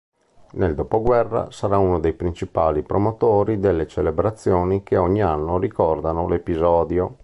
Nel dopoguerra sarà uno dei principali promotori delle celebrazioni che ogni anno ricordano l'episodio.